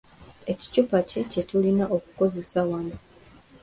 Ekicupa ki kye tulina okukozesa wano?